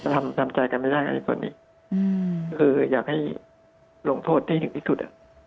ทำใจกันไม่ได้กับตัวนี้คืออยากให้หลงโทษที่หนึ่งที่สุด